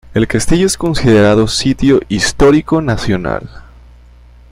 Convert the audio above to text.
El castillo es considerado Sitio Histórico Nacional.